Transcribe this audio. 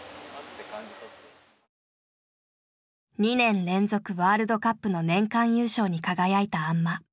２年連続ワールドカップの年間優勝に輝いた安間。